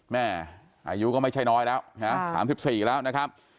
แม่อายุก็ไม่ใช่น้อยแล้วนะ๓๔แล้วนะครับ